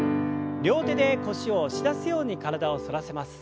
両手で腰を押し出すように体を反らせます。